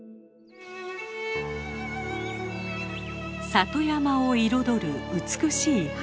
里山を彩る美しい花園。